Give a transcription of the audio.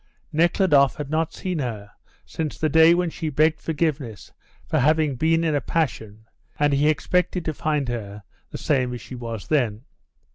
Nekhludoff had not seen her since the day when she begged forgiveness for having been in a passion, and he expected to find her the same as she was then.